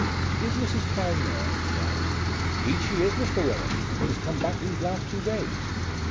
"Is Mrs. Prime there?" he asked. "'Deed she is, Mr. Rowan. She's come back these last two days."